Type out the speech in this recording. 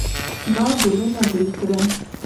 ما ګلونه بوی کړل